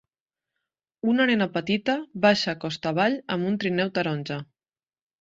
Una nena petita baixa costa avall amb un trineu taronja.